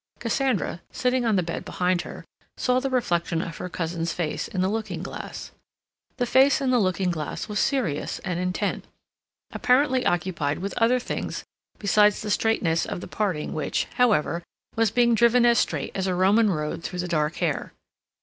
Cassandra, sitting on the bed behind her, saw the reflection of her cousin's face in the looking glass. The face in the looking glass was serious and intent, apparently occupied with other things besides the straightness of the parting which, however, was being driven as straight as a Roman road through the dark hair.